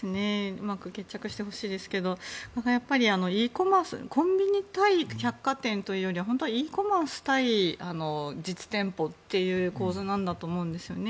うまく決着してほしいですけどコンビニ対百貨店というよりは本当はｅコマース対実店舗という構図ですよね。